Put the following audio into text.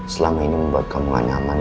selama ini membuat kamu nyaman